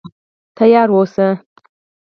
تیار اوسه.